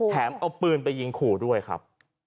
เอาปืนไปยิงขู่ด้วยครับ